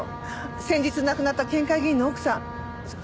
先日亡くなった県会議員の奥さんそう